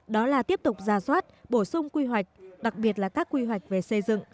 đó là tiếp tục ra soát bổ sung quy hoạch đặc biệt là các quy hoạch về xây dựng